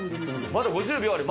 まだ５０秒ある。